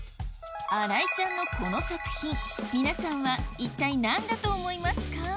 新井ちゃんのこの作品皆さんは一体何だと思いますか？